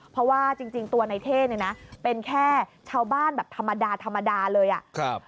เพราะว่าจริงตัวในเท่เนี่ยนะเป็นแค่ชาวบ้านแบบธรรมดาธรรมดาเลยอ่ะครับ